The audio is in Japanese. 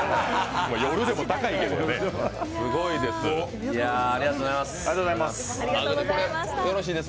夜でも高いけどね、すごいです。